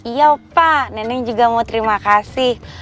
iya pak neneng juga mau terima kasih